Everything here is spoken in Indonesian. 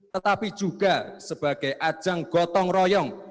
tetapi juga sebagai ajang gotong royong